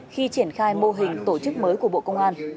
khi triển khai mô hình tổ chức mới của bộ công an